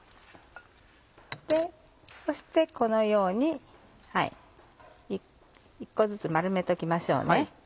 そしてこのように１個ずつ丸めときましょうね。